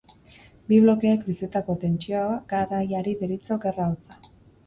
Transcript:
Bi blokeek bizitako tentsio garaiari deritzo Gerra hotza.